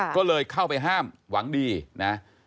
ก็เลยเข้าไปห้ามหวังดีนะ